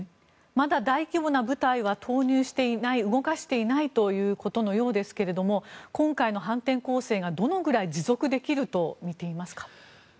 まだ大規模な部隊は投入していない動かしていないということのようですが今回の反転攻勢がどのぐらい持続できるとみていますか？